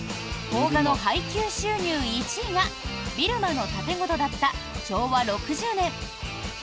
邦画の配給収入１位が「ビルマの竪琴」だった昭和６０年。